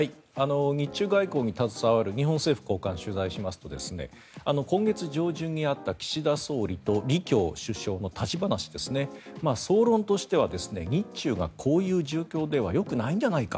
日中外交に携わる日本政府高官を取材しますと今月上旬にあった岸田総理と李強首相の立ち話総論としては日中がこういう状況ではよくないんじゃないか。